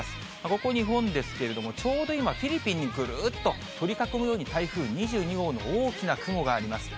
ここ日本ですけれども、ちょうど今、フィリピンにぐるーっと、取り囲むように、台風２２号の大きな雲があります。